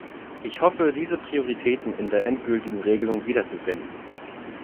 Ich hoffe, diese Prioritäten in der endgültigen Regelung wiederzufinden.